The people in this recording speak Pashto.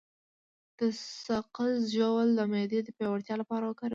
د سقز ژوول د معدې د پیاوړتیا لپاره وکاروئ